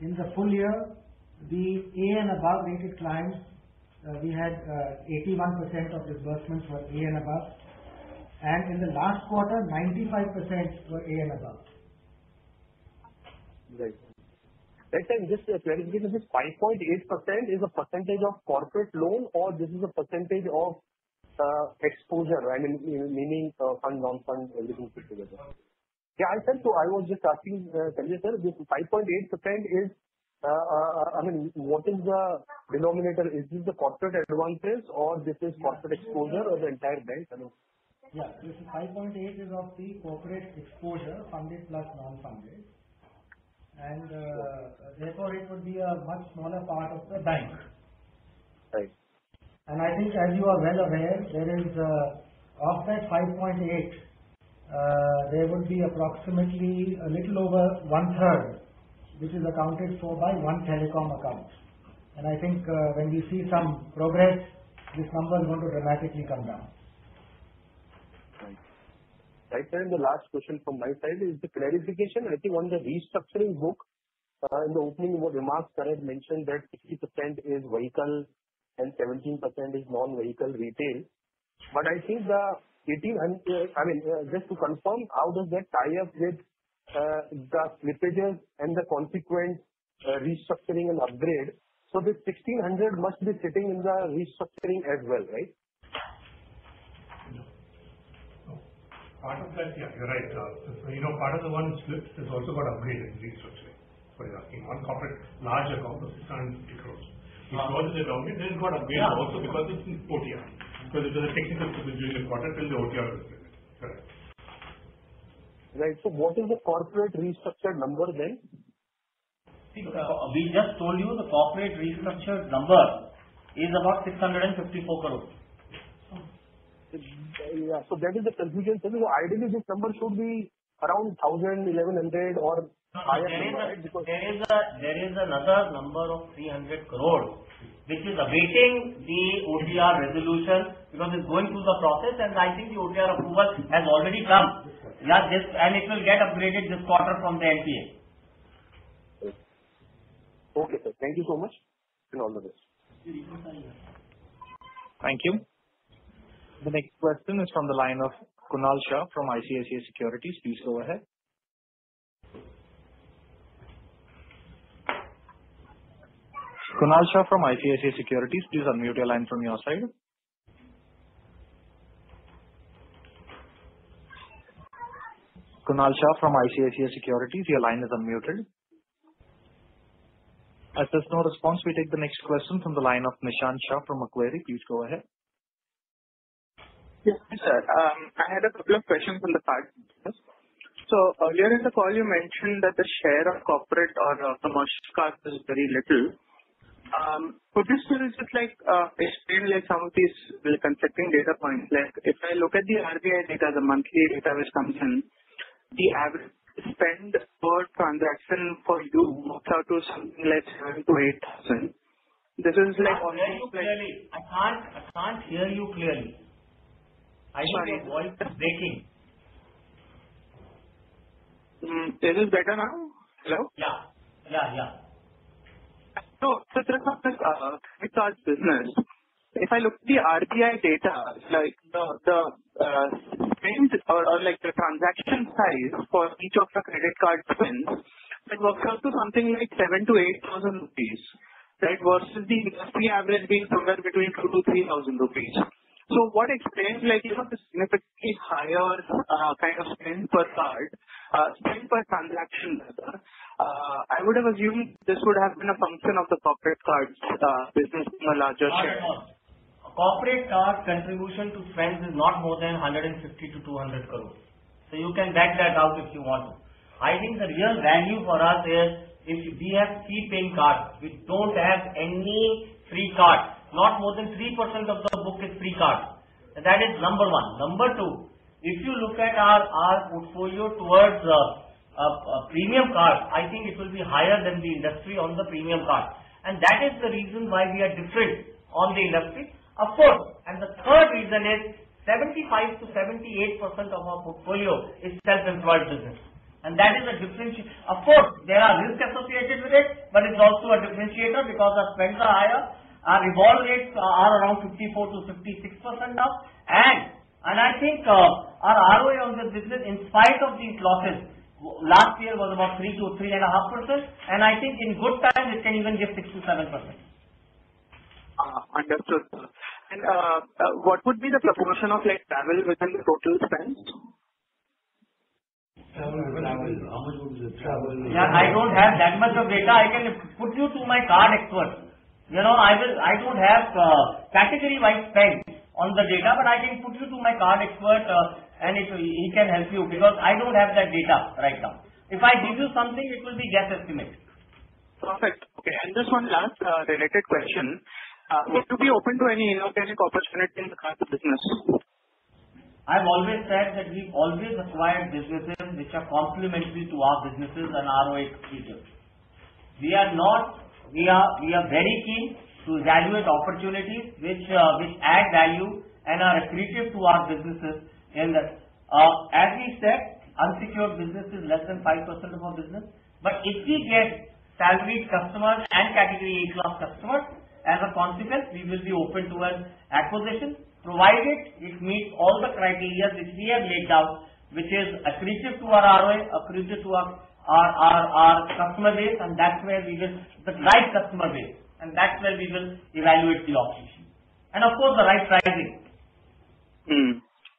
in the full year, the A and above rated clients, we had 81% of disbursements were A and above. In the last quarter, 95% were A and above. Right. Just a clarification, this 5.8% is a percentage of corporate loan, or this is a percentage of exposure? I mean, meaning fund, non-fund, everything put together. I was just asking Sanjay sir, this 5.8%, what is the denominator? Is this the corporate advances or this is corporate exposure or the entire bank? I don't know. Yeah. This 5.8 is of the corporate exposure, funded plus non-funded. Therefore it would be a much smaller part of the bank. Right. I think as you are well aware, of that 5.8, there would be approximately a little over one third, which is accounted for by one telecom account. I think when we see some progress, this number is going to dramatically come down. Right. The last question from my side is the clarification. I think on the restructuring book, in the opening remarks, Sanjay mentioned that 60% is vehicle and 17% is non-vehicle retail. Just to confirm, how does that tie up with the slippages and the consequent restructuring and upgrade? This 1,600 must be sitting in the restructuring as well, right? No. Part of that, yeah, you're right. Part of the one slip has also got upgraded in restructuring. What you're asking on corporate large account of 600 crore. It was in the domain got upgraded also because it is OTR. It is a technical decision quarter till the OTR is cleared. Correct. Right. What is the corporate restructure number then? We just told you the corporate restructure number is about 654 crores. That is the confusion. Ideally this number should be around 1,000, 1,100 or higher. There is another number of 300 crore which is awaiting the OTR resolution because it's going through the process and I think the OTR approval has already come. Yes, sir. It will get upgraded this quarter from the NPA. Okay. Okay, sir, thank you so much and all the best. Thank you. Thank you. The next question is from the line of Kunal Shah from ICICI Securities. Kunal Shah from ICICI Securities. Kunal Shah from ICICI Securities. As there's no response, we take the next question from the line of Nishant Shah from Macquarie. Yes, sir. I had a couple of questions on the cards business. Earlier in the call you mentioned that the share of corporate or commercial cards is very little. Could you still just explain some of these conflicting data points? If I look at the RBI data, the monthly data which comes in, the average spend per transaction for you works out to something like 7,000-8,000. I can't hear you clearly. I think your voice is breaking. Is this better now? Hello. Yeah. Just on this cards business. If I look at the RBI data, like the spend or the transaction size for each of the credit card spends, it works out to something like 7,000-8,000 rupees. Versus the industry average being somewhere between 2,000-3,000 rupees. What explains this significantly higher kind of spend per card, spend per transaction rather? I would have assumed this would have been a function of the corporate cards business being a larger share. Not at all. Corporate cards contribution to spends is not more than 150 crore to 200 crore. You can back that out if you want to. I think the real value for us is we have fee paying cards. We don't have any free cards. Not more than 3% of the book is free card. That is number one. Number two, if you look at our portfolio towards premium cards, I think it will be higher than the industry on the premium card. That is the reason why we are different on the industry, of course. The third reason is 75%-78% of our portfolio is self-employed business. That is a differentiator. Of course, there are risks associated with it, but it's also a differentiator because our spends are higher. Our revolve rates are around 54%-56% now. I think our ROE on this business, in spite of these losses, last year was about 3% to 3.5%, and I think in good times it can even give 6% to 7%. Understood. What would be the proportion of travel within the total spends? Travel. How much would be travel? Yeah. I don't have that much of data. I can put you to my card expert. I don't have category-wise spends on the data, but I can put you to my card expert and he can help you because I don't have that data right now. If I give you something, it will be guess estimate. Perfect. Okay. Just one last related question. Would you be open to any inorganic opportunity in the cards business? I've always said that we always acquire businesses which are complementary to our businesses and ROE accretive. We are very keen to evaluate opportunities which add value and are accretive to our businesses. As we said, unsecured business is less than 5% of our business, but if we get salaried customers and Category A class customers, as a consequence, we will be open towards acquisition, provided it meets all the criteria which we have laid out, which is accretive to our ROA, accretive to our customer base, the right customer base, That's where we will evaluate the options. Of course, the right pricing.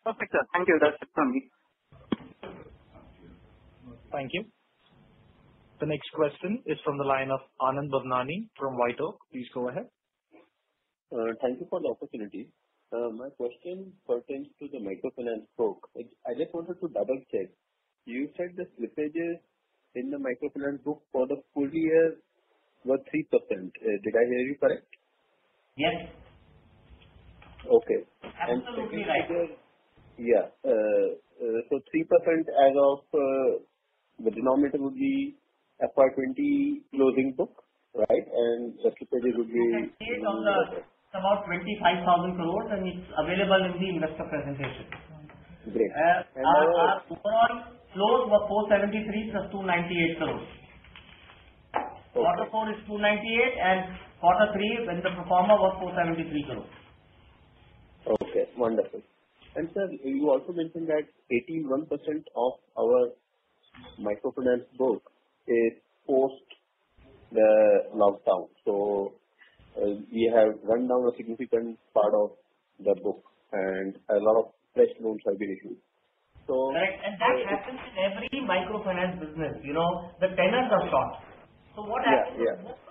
Perfect, sir. Thank you. That's it from me. Thank you. Thank you. The next question is from the line of Anand Bhavnani from White Oak. Please go ahead. Thank you for the opportunity. My question pertains to the microfinance book. I just wanted to double-check. You said the slippages in the microfinance book for the full year were 3%. Did I hear you correct? Yes. Okay. Absolutely right. 3% as of the denominator would be FY 2020 closing book, right? It's about 25,000 crore and it's available in the investor presentation. Great. Our close was INR 473 plus 298 crores. Quarter four is 298 crores and quarter three when the proforma was 473 crores. Okay, wonderful. Sir, you also mentioned that 81% of our microfinance book is post the lockdown. We have run down a significant part of the book and a lot of fresh loans have been issued. Right. That happens in every microfinance business. The tenures are short. Yeah. What happens,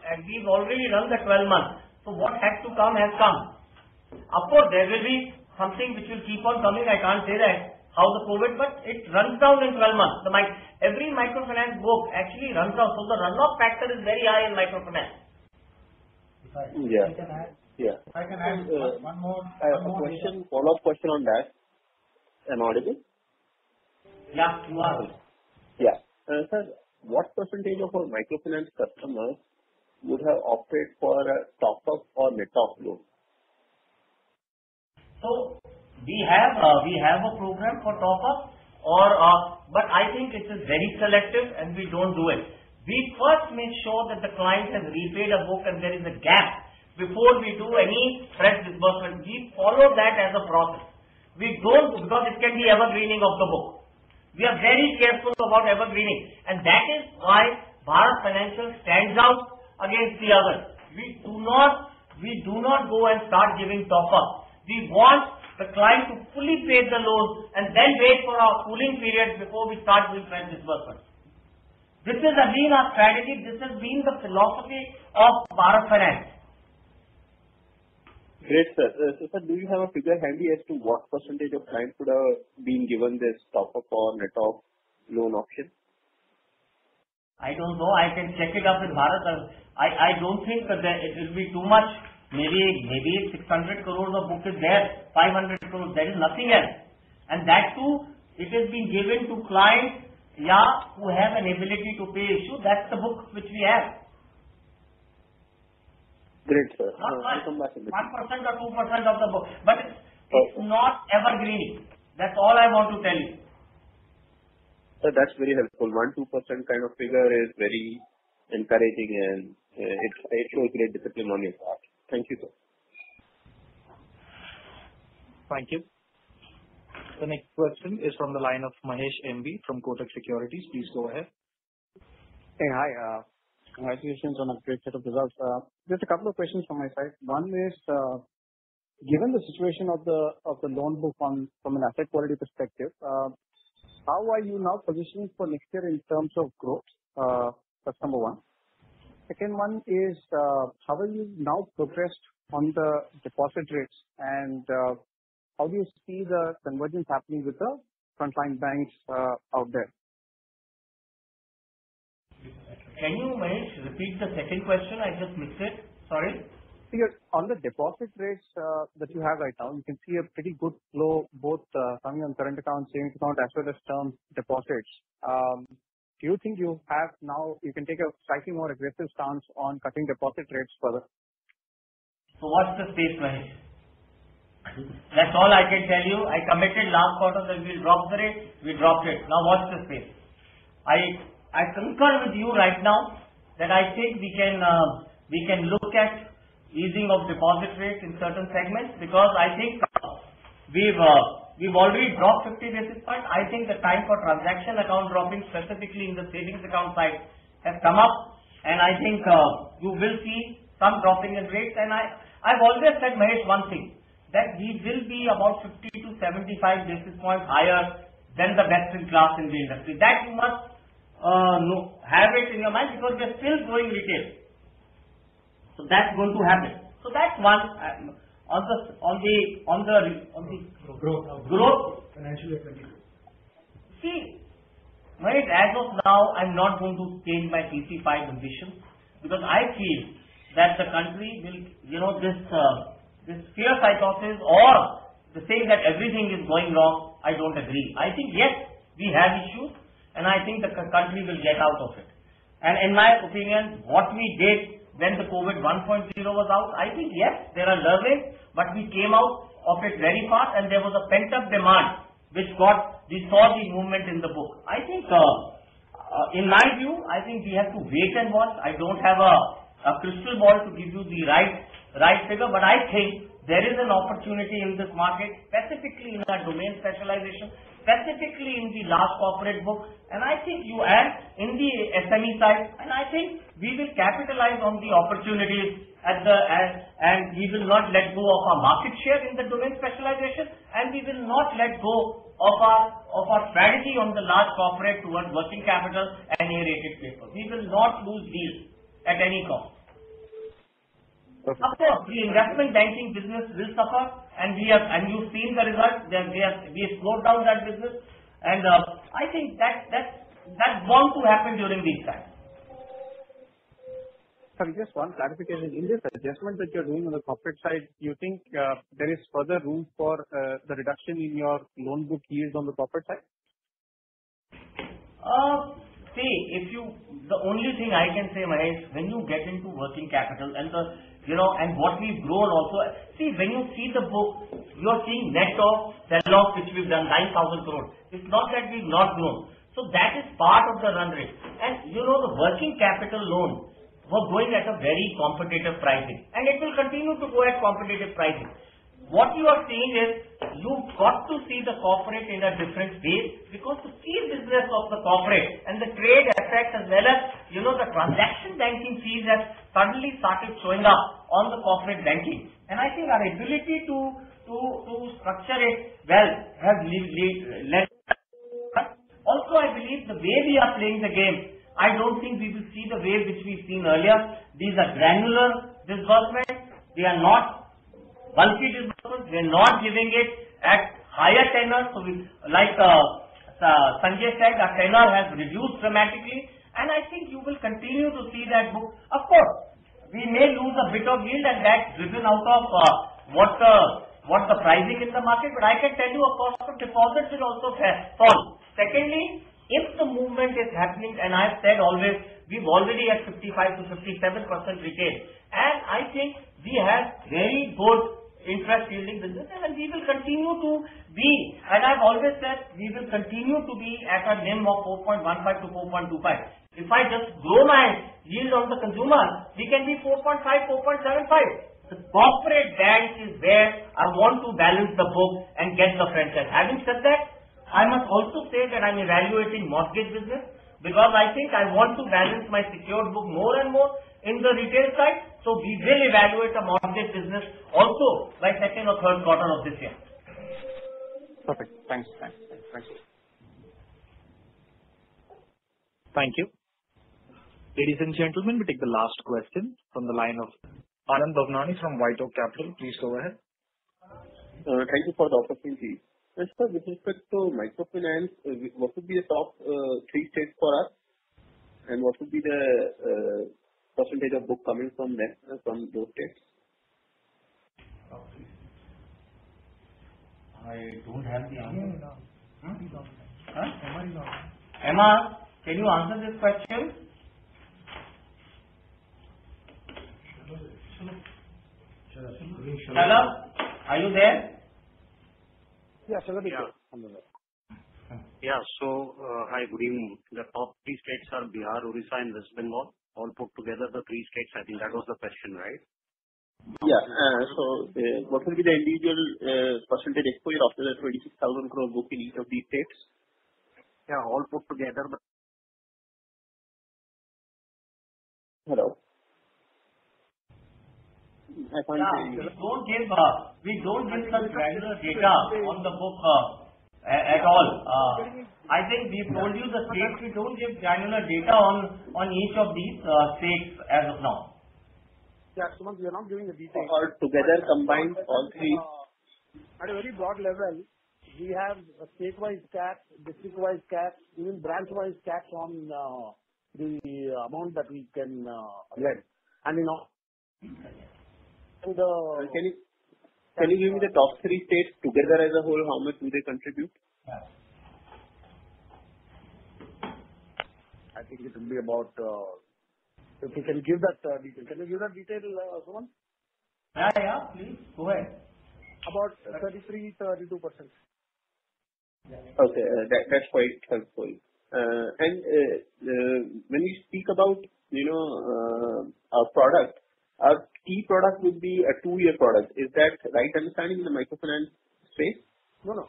and we've already run the 12 months, what had to come has come. Of course, there will be something which will keep on coming. I can't say that how the COVID, it runs down in 12 months. Every microfinance book actually runs out. The runoff factor is very high in microfinance. Yeah. If I can add one more. A follow-up question on that. Am I audible? Yeah, you are. Yeah. Sir, what percentage of our microfinance customers would have opted for a top-up or net off loan? We have a program for top-up, but I think it is very selective, and we don't do it. We first make sure that the client has repaid a book and there is a gap before we do any fresh disbursement. We follow that as a process. We don't, because it can be evergreening of the book. We are very careful about evergreening, and that is why Bharat Financial stands out against the others. We do not go and start giving top-up. We want the client to fully pay the loans and then wait for our cooling period before we start with fresh disbursement. This has been our strategy, this has been the philosophy of Bharat Finance. Great, sir. Sir, do you have a figure handy as to what % of clients could have been given this top-up or net off loan option? I don't know. I can check it up with Bharat. I don't think that it will be too much. Maybe 600 crores of book is there, 500 crores. There is nothing else. And that too, it has been given to clients who have an ability to pay issue. That's the book which we have. Great, sir. Thank you so much. 1% or 2% of the book, but it's not evergreening. That's all I want to tell you. Sir, that's very helpful. One, two % kind of figure is very encouraging, and it shows great discipline on your part. Thank you, sir. Thank you. The next question is from the line of M. B. Mahesh from Kotak Securities. Please go ahead. Hey, hi. Congratulations on a great set of results. Just a couple of questions from my side. One is, given the situation of the loan book from an asset quality perspective, how are you now positioning for next year in terms of growth? That's number one. Second one is, how are you now progressed on the deposit rates, and how do you see the convergence happening with the front-line banks out there? Can you, Mahesh, repeat the second question? I just missed it. Sorry. Sure. On the deposit rates that you have right now, you can see a pretty good flow, both coming on current account, savings account, as well as term deposits. Do you think you can take a slightly more aggressive stance on cutting deposit rates? Watch the space, Mahesh. That's all I can tell you. I committed last quarter that we'll drop the rate, we dropped it. Now watch the space. I concur with you right now that I think we can look at easing of deposit rates in certain segments because I think we've already dropped 50 basis point. I think the time for transaction account dropping specifically in the savings account side has come up and I think you will see some dropping in rates. I've always said, Mahesh, one thing, that we will be about 50 to 75 basis point higher than the best-in-class in the industry. That you must have it in your mind because we are still growing retail. That's going to happen. Growth. Growth. Financial year 2024. See, Mahesh, as of now, I'm not going to change my PC5 ambition because I feel that This fear psychosis or the saying that everything is going wrong, I don't agree. I think, yes, we have issues. I think the country will get out of it. In my opinion, what we did when the COVID was out, I think, yes, there are learnings, but we came out of it very fast and there was a pent-up demand. We saw the movement in the book. In my view, I think we have to wait and watch. I don't have a crystal ball to give you the right figure. I think there is an opportunity in this market, specifically in our domain specialization, specifically in the large corporate book, and I think you ask in the SME side, and I think we will capitalize on the opportunities and we will not let go of our market share in the domain specialization and we will not let go of our strategy on the large corporate towards working capital and near-rated paper. We will not lose deals at any cost. Okay. Of course, the investment banking business will suffer, and you've seen the result that we have slowed down that business, and I think that's going to happen during these times. Sir, just one clarification. In this adjustment that you're doing on the corporate side, do you think there is further room for the reduction in your loan book yields on the corporate side? The only thing I can say, Mahesh, when you get into working capital and what we've grown. See, when you see the book, you are seeing net off, sell-off, which we've done 9,000 crores. It's not that we've not grown. That is part of the run rate. The working capital loan was going at a very competitive pricing and it will continue to go at competitive pricing. What you are seeing is you've got to see the corporate in a different base because the fee business of the corporate and the trade and FX as well as the transaction banking fees have suddenly started showing up on the corporate banking. I think our ability to structure it well has led to that. I believe the way we are playing the game, I don't think we will see the wave which we've seen earlier. These are granular disbursements. They are not bulky disbursements. We are not giving it at higher tenure. Like Sanjay said, our tenure has reduced dramatically and I think you will continue to see that book. Of course, we may lose a bit of yield and that's driven out of what the pricing in the market. I can tell you, of course, deposits will also fall. Secondly, if the movement is happening, and I've said always, we're already at 55%-57% retail and I think we have very good interest-yielding business and we will continue to be. As I've always said, we will continue to be at a NIM of 4.15-4.25. If I just grow my yield on the consumer, we can be 4.5%-4.75%. The corporate bank is where I want to balance the book and get the franchise. Having said that, I must also say that I'm evaluating mortgage business because I think I want to balance my secured book more and more in the retail side. We will evaluate the mortgage business also by second or third quarter of this year. Perfect. Thanks. Thank you. Ladies and gentlemen, we take the last question from the line of Anand Bhavnani from White Oak Capital. Please go ahead. Thank you for the opportunity. Sir, with respect to microfinance, what would be a top three states for us and what would be the % of book coming from those states? I don't have the answer. No. Huh? Emma is not here. Emma, can you answer this question? Shalabh, are you there? Yeah, Shalabh is here on the way. Yeah. Hi, good evening. The top three states are Bihar, Odisha, and West Bengal. All put together, the three states, I think that was the question, right? Yeah. What will be the individual % exposure of the 26,000 crore book in each of these states? Yeah, all put together but. Hello? I can't hear you. We don't give the granular data on the book at all. I think we've told you the states. We don't give granular data on each of these states as of now. Yeah. Sumant, we are not giving the detail. All together combined, all three? At a very broad level, we have a state-wise cap, district-wise cap, even branch-wise cap on the amount that we can lend. Can you give me the top three states together as a whole, how much do they contribute? I think it will be about If you can give that detail. Can you give that detail, Sumant? Yeah, please go ahead. About 33%-32%. Okay. That's quite helpful. When you speak about our product, our key product would be a two-year product. Is that the right understanding in the microfinance space? No, no.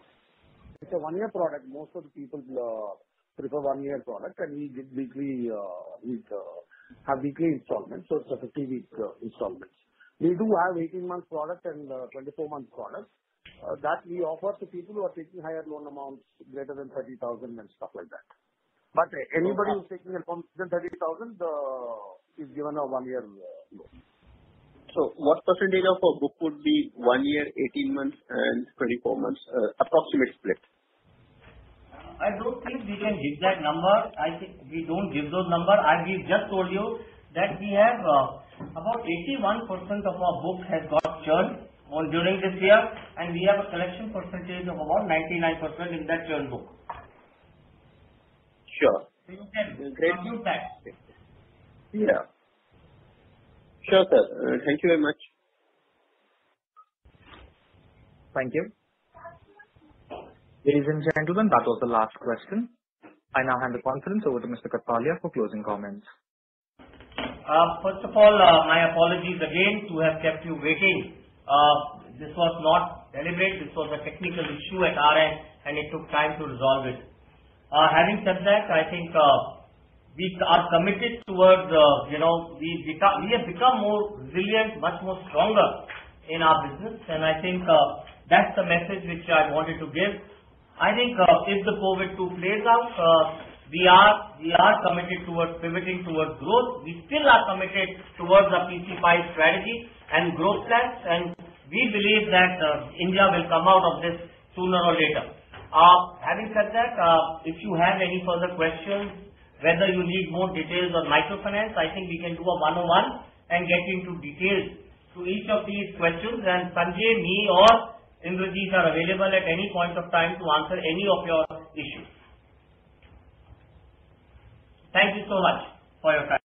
It's a one-year product. Most of the people prefer one-year product, and we have weekly installments. It's a 50-week installments. We do have 18-month product and 24-month product that we offer to people who are taking higher loan amounts greater than 30,000 and stuff like that. Anybody who's taking a loan less than 30,000 is given a one-year loan. What percentage of our book would be one year, 18 months and 24 months approximate split? I don't think we can hit that number. I think we don't give those number. I just told you that we have about 81% of our book has got churn during this year, and we have a collection percentage of about 99% in that churn book. Sure. You can compute that. Yeah. Sure, sir. Thank you very much. Thank you. Ladies and gentlemen, that was the last question. I now hand the conference over to Mr. Kathpalia for closing comments. First of all, my apologies again to have kept you waiting. This was not deliberate. This was a technical issue at our end, and it took time to resolve it. Having said that, I think we are committed towards becoming more resilient, much more stronger in our business, and I think that's the message which I wanted to give. I think if the COVID-19 plays out, we are committed towards pivoting towards growth. We still are committed towards the PC5 strategy and growth plans, and we believe that India will come out of this sooner or later. Having said that, if you have any further questions, whether you need more details on microfinance, I think we can do a one-on-one and get into details to each of these questions. Sanjay, me or Inderjit are available at any point of time to answer any of your issues. Thank you so much for your time.